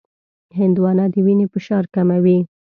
هندوانه د وینې فشار کموي.